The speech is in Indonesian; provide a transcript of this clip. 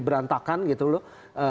berantakan gitu loh